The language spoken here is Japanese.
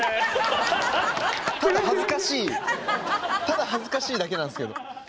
ただ恥ずかしいだけなんすけど。